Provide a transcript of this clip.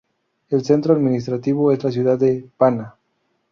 El centro administrativo es la ciudad de Panna.